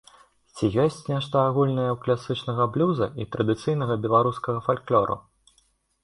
Ці ёсць нешта агульнае ў класічнага блюза і традыцыйнага беларускага фальклору?